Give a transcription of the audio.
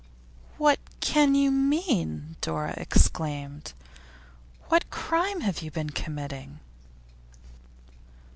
'What can you mean?' Dora exclaimed. 'What crime have you been committing?